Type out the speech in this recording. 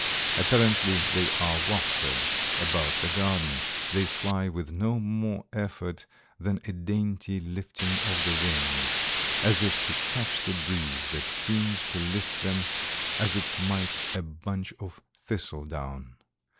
Apparently they are wafted about the garden; they fly with no more effort than a dainty lifting of the wings, as if to catch the breeze that seems to lift them as it might a bunch of thistledown.